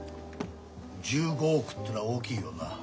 １５億っていうのは大きいよな。